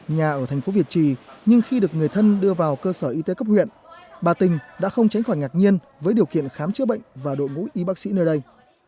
nhà ở thành phố việt trì nhưng khi được người thân đưa vào cơ sở y tế cấp huyện bà tình đã không tránh khỏi ngạc nhiên với điều kiện khám chữa bệnh và đội ngũ y bác sĩ nơi đây